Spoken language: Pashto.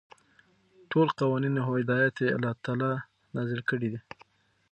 ټول قوانين او هدايات يي الله تعالى نازل كړي دي ،